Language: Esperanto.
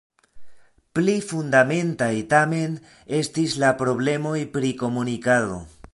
Pli fundamentaj tamen estis la problemoj pri komunikado.